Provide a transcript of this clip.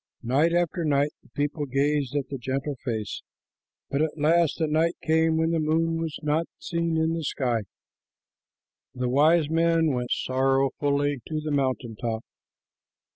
Night after night the people gazed at the gentle face, but at last a night came when the moon was not seen in the sky. The wise men went sorrowfully to the mountain top.